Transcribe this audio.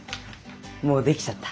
もう出来ちゃった。